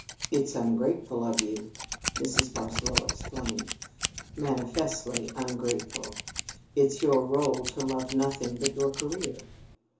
"It's ungrateful of you," Mrs. Barsaloux explained, "manifestly ungrateful! It's your rôle to love nothing but your career."